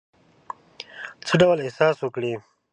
څه ډول احساس وکړی.